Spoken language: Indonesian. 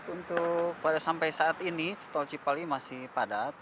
untuk pada sampai saat ini tol cipali masih padat